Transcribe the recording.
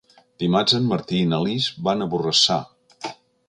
Dimarts en Martí i na Lis van a Borrassà.